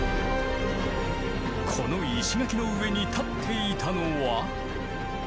この石垣の上に建っていたのは。